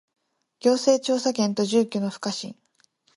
行政調査権と住居の不可侵